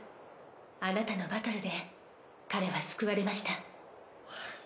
あなたのバトルで彼は救われました。